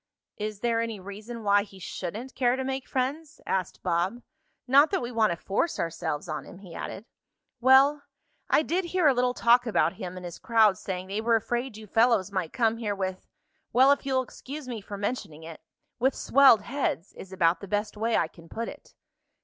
"Is there any reason why he shouldn't care to make friends?" asked Bob. "Not that we want to force ourselves on him," he added. "Well, I did hear a little talk about him and his crowd saying they were afraid you fellows might come here with well, if you'll excuse me for mentioning it with swelled heads, is about the best way I can put it."